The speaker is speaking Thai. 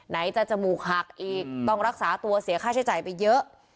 ไหนจะจมูกหักอีกต้องรักษาตัวเสียค่าใช้จ่ายไปเยอะ